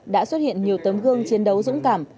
đã xuất hiện nhiều tấm gương chiến đấu dũng cảm